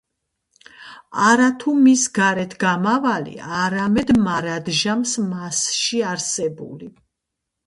არათუ მის გარეთ გამავალი, არამედ მარადჟამს მასში არსებული.